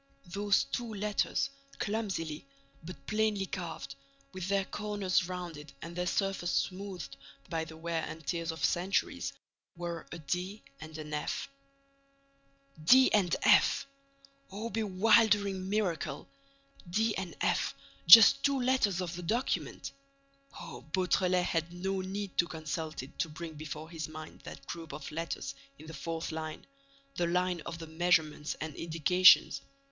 Those two letters, clumsily, but plainly carved, with their corners rounded and their surface smoothed by the wear and tear of centuries, were a D and an F. D and F! Oh, bewildering miracle! D and F: just two letters of the document! Oh, Beautrelet had no need to consult it to bring before his mind that group of letters in the fourth line, the line of the measurements and indications!